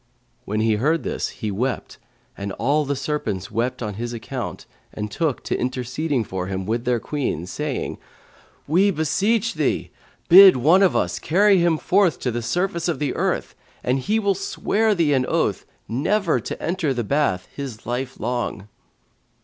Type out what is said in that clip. When he heard this, he wept and all the serpents wept on his account and took to interceding for him with their Queen, saying, "We beseech thee, bid one of us carry him forth to the surface of the earth, and he will swear thee an oath never to enter the bath his life long."